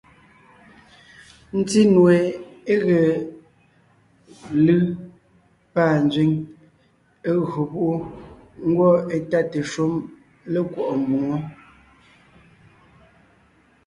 Ńtí nue é ge lʉ́ pâ nzẅíŋ, é gÿo púʼu, ngwɔ́ étáte shúm lékwɔ́ʼ mboŋó.